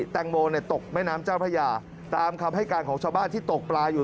แตงโมตกแม่น้ำเจ้าพระยาตามคำให้การของชาวบ้านที่ตกปลาอยู่